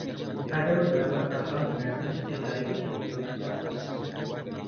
Ada beberapa tambang mendatar kecil lainnya di pegunungan itu.